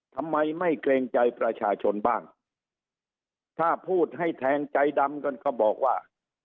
ทำไมไม่เกรงใจประชาชนบ้างถ้าพูดให้แทงใจดำกันก็บอกว่า